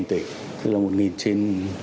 thế là một trên